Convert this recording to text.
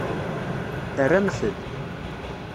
Terramt-d.